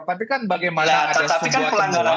tapi kan bagaimana ada sebuah temuan silahkan